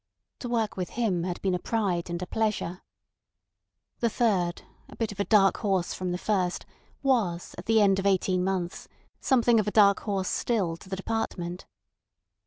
To work with him had been a pride and a pleasure. The third, a bit of a dark horse from the first, was at the end of eighteen months something of a dark horse still to the department.